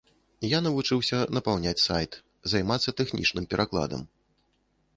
Я навучыўся напаўняць сайт, займацца тэхнічным перакладам.